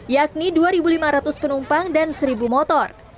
yakni dua lima ratus penumpang dan satu motor